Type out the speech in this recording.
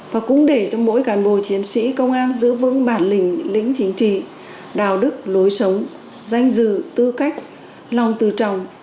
và cũng để cho mỗi cản bộ chiến sĩ công an giữ vững bản lĩnh lĩnh chính trị đạo đức lối sống danh dự tư cách lòng từ trọng